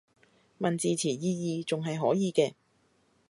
問字詞意義仲係可以嘅